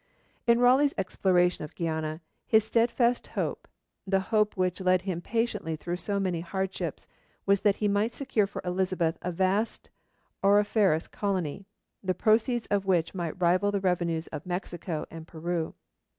In Raleigh's exploration of Guiana, his steadfast hope, the hope which led him patiently through so many hardships, was that he might secure for Elizabeth a vast auriferous colony, the proceeds of which might rival the revenues of Mexico and Peru.